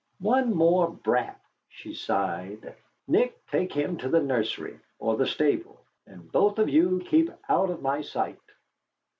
"One more brat," she sighed. "Nick, take him to the nursery, or the stable. And both of you keep out of my sight."